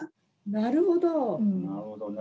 なるほどね。